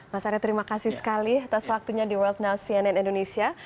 mas arya terima kasih sekali atas waktunya di world now cnn indonesia